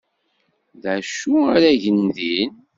D acu ara gen din?